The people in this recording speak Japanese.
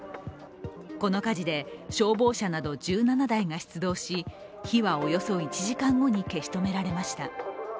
この火事で消防車など１７台が出動し火はおよそ１時間後に消し止められました。